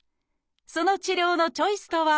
その治療のチョイスとは？